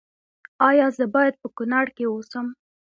ایا زه باید په کنړ کې اوسم؟